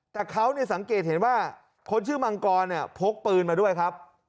แต่เขาสังเกตเห็นว่าคนชื่อมังกรเนี่ยพกปืนมาด้วยครับ